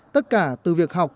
tất cả từ việc học